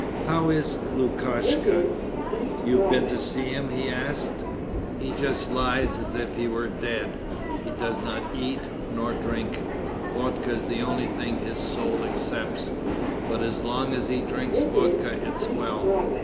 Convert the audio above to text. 'How is Lukashka? You've been to see him?' he asked. 'He just lies as if he were dead. He does not eat nor drink. Vodka is the only thing his soul accepts. But as long as he drinks vodka it's well.